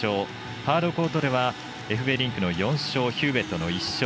ハードコートではエフベリンクの４勝ヒューウェットの１勝。